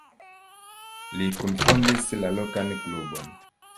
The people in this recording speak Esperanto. Li kunfondis la lokan klubon.